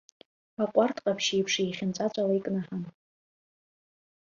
Аҟәарҭ ҟаԥшь еиԥш еихьынҵәаҵәала икнаҳан.